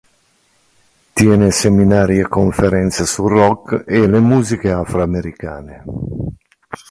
Tiene seminari e conferenze sul rock e le musiche afroamericane.